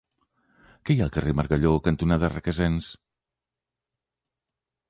Què hi ha al carrer Margalló cantonada Requesens?